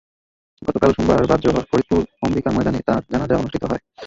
গতকাল সোমবার বাদ জোহর ফরিদপুর অম্বিকা ময়দানে তাঁর জানাজা অনুষ্ঠিত হয়।